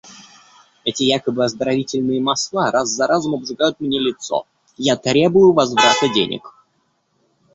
Эти якобы оздоровительные масла раз за разом обжигают мне лицо. Я требую возврата денег!